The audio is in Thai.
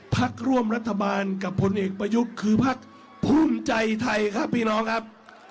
พักร่วมรัฐบาลกับผลเอกประยุทธ์คือพักภูมิใจไทยครับพี่น้องครับ